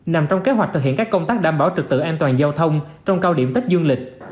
nằm trong kế hoạch thực hiện các công tác đảm bảo trực tự an toàn giao thông trong cao điểm tết dương lịch